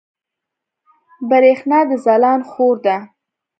برېښنا د ځلاند خور ده